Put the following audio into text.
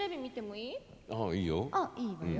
いいわよ。